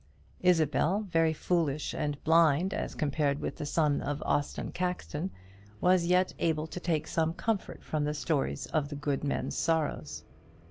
Isabel, very foolish and blind as compared with the son of Austin Caxton, was yet able to take some comfort from the stories of good men's sorrows.